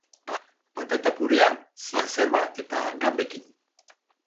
Patata purea ziazerba eta ganbekin.